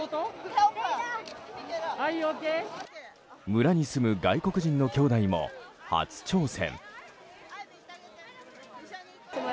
村に住む外国人のきょうだいも初挑戦。